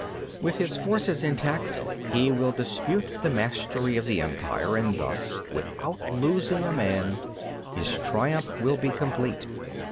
7. With his forces intact he will dispute the mastery of the Empire, and thus, without losing a man, his triumph will be complete.